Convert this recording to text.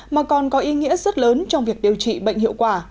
mà còn có ý nghĩa rất lớn trong việc điều trị bệnh hiệu quả